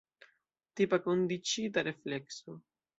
Tipa kondiĉita reflekso.